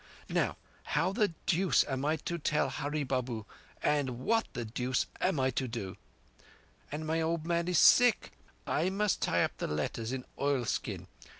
Now how the deuce am I to tell Hurree Babu, and whatt the deuce am I to do? And my old man is sick. I must tie up the letters in oilskin.